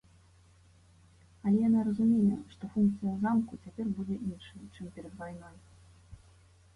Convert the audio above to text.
Але яна разумее, што функцыя замку цяпер будзе іншай, чым перад вайной.